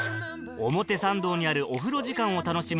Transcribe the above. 表参道にあるお風呂時間を楽しむ